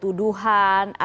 kemudian ada penyelesaian